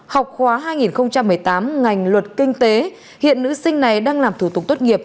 học khóa hai nghìn một mươi tám ngành luật kinh tế hiện nữ sinh này đang làm thủ tục tốt nghiệp